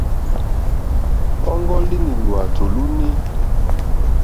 Ɔ́ŋɡɔ́línì lwàtò lúúǃní.